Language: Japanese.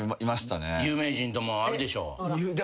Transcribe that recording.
有名人ともあるでしょ。